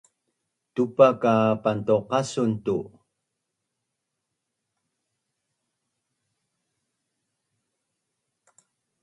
Tupa kat pantuqasun tu